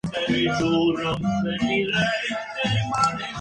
Se encuentra en Afganistán Irán y Pakistán.